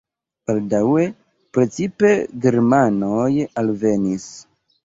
Baldaŭe precipe germanoj alvenis.